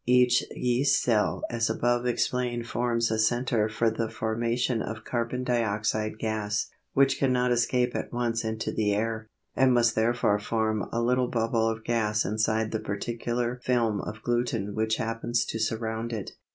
Each yeast cell as above explained forms a centre for the formation of carbon dioxide gas, which cannot escape at once into the air, and must therefore form a little bubble of gas inside the particular film of gluten which happens to surround it.